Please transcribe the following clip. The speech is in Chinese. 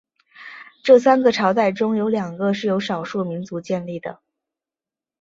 这三个朝代中有两个是由少数民族建立的。